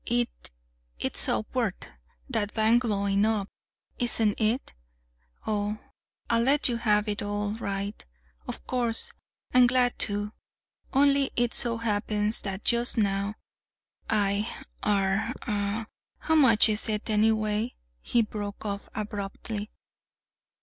'T is awkward that bank blowing up; isn't it? Oh, I'll let you have it all right, of course, and glad to, only it so happens that just now I er, how much is it, anyway?" he broke off abruptly.